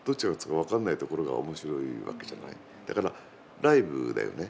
だからライブだよね。